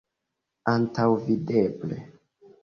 Antaŭvideble.